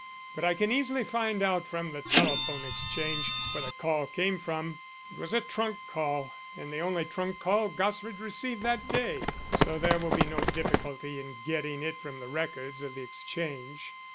But I can easily find out from the telephone exchange where the call came from. It was a trunk call, and the only trunk call Gosford received that day, so there will be no difficulty in getting it from the records of the exchange.